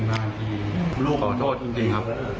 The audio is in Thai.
ไม่ไปหาอย่าง